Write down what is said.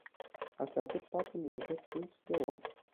Ați avut patru minute plus două.